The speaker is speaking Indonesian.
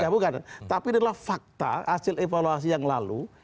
bukan tapi adalah fakta hasil evaluasi yang lalu